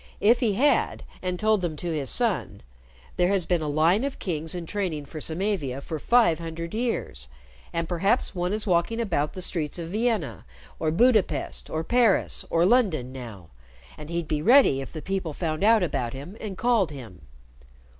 If he had, and told them to his son, there has been a line of kings in training for Samavia for five hundred years, and perhaps one is walking about the streets of Vienna, or Budapest, or Paris, or London now, and he'd be ready if the people found out about him and called him."